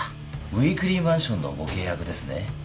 ウイークリーマンションのご契約ですね？